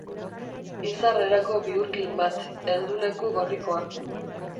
Izar erako bihurkin bat, helduleku gorrikoa.